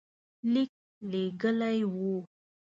لیک لېږلی وو.